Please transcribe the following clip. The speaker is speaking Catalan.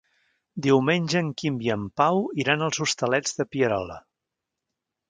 Diumenge en Quim i en Pau iran als Hostalets de Pierola.